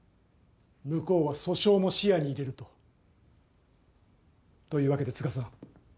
向こうは訴訟も視野に入れると。というわけで都賀さん